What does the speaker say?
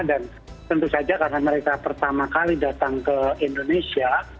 tentu saja karena mereka pertama kali datang ke indonesia